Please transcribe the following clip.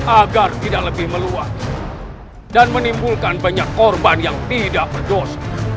agar tidak lebih meluas dan menimbulkan banyak korban yang tidak berdosa